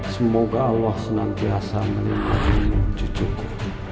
semoga allah senang biasa menempatkan cucuku